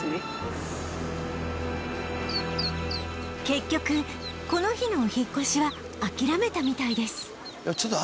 結局この日のお引っ越しは諦めたみたいです